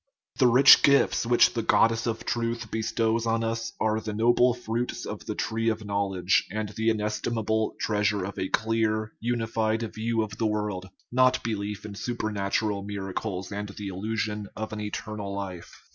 The rich gifts which the goddess of truth bestows on us are the noble fruits of the tree of knowledge and the ines timable treasure of a clear, unified view of the world 337 THE RIDDLE OF THE UNIVERSE not belief in supernatural miracles and the illusion of an eternal life.